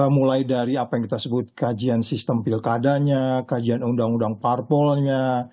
mulai dari apa yang kita sebut kajian sistem pilkadanya kajian undang undang parpolnya